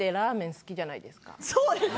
そうですか？